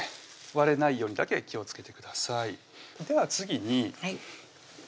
割れないようにだけ気をつけてくださいでは次にソースをね